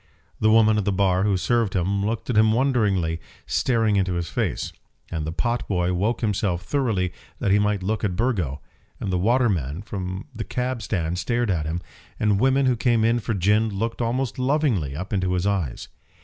The woman at the bar who served him looked at him wonderingly, staring into his face; and the pot boy woke himself thoroughly that he might look at Burgo; and the waterman from the cab stand stared at him; and women who came in for gin looked almost lovingly up into his eyes.